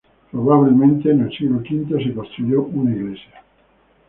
Probablemente en el siglo V se construyó una iglesia católica.